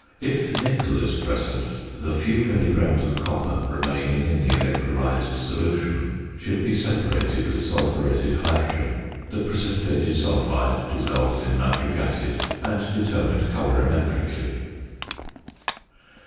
If nickel is present, the few milligrams of copper remaining in the electrolysed solution should be separated with sulphuretted hydrogen, the precipitated sulphide dissolved in nitric acid, and determined colorimetrically.